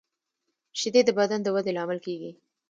شیدې د بدن د ودې لامل کېږي